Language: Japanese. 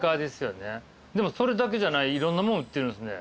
でもそれだけじゃないいろんなもん売ってるんすね。